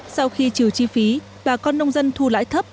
sau khi trừ chi phí bà con nông dân thu lãi thấp